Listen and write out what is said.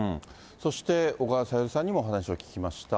そして小川さゆりさんにもお話を聞きました。